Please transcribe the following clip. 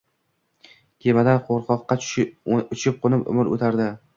kemadan qirg‘oqqa uchib-qo‘nib umr o‘tardi